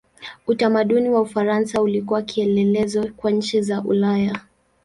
Utamaduni wa Ufaransa ulikuwa kielelezo kwa nchi za Ulaya.